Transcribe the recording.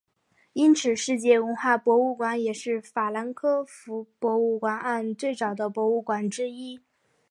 因此世界文化博物馆也是法兰克福博物馆岸最早的博物馆之一。